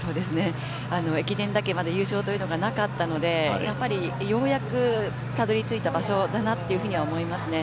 駅伝だけまだ優勝というのがなかったので、ようやくたどり着いた場所だなというふうには思いますね。